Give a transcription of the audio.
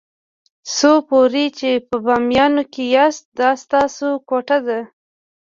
څو پورې چې په بامیانو کې یاست دا ستاسو کوټه ده.